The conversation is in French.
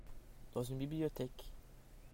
Dans une bibliothèque.